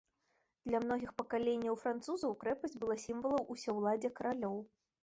Для многіх пакаленняў французаў крэпасць была сімвалам усеўладдзя каралёў.